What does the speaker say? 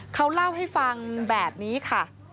เขาเล่าให้ฟังแบบนี้ค่ะ